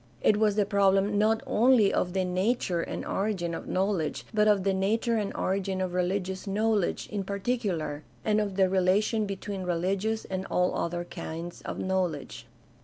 It was the problem not only of the nature and origin of knowledge but of the nature and origin of religious knowl edge in particular, and of the relation between rehgious and all other kinds of knowledge.